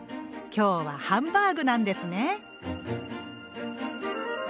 今日はハンバーグなんですね！